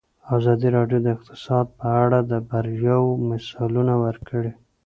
ازادي راډیو د اقتصاد په اړه د بریاوو مثالونه ورکړي.